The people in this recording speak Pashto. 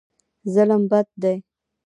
ظلم بد دی.